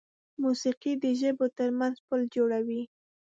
موسیقي د ژبو تر منځ پل جوړوي.